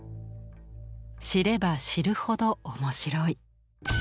知れば知るほど面白い。